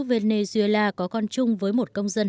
venezuela có con chung với một công dân